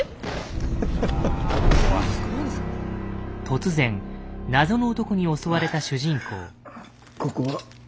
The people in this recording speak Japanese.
突然謎の男に襲われた主人公。